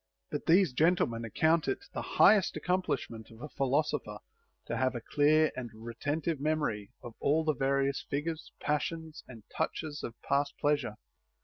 But these gentlemen ac count it the highest accomplishment of a philosopher to have a clear and retentive memory of all the various figures, passions, and touches of past pleasure.